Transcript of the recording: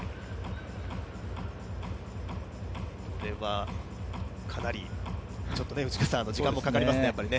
これはかなり時間もかかりますね。